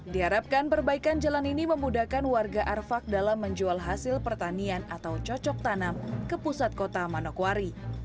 diharapkan perbaikan jalan ini memudahkan warga arfak dalam menjual hasil pertanian atau cocok tanam ke pusat kota manokwari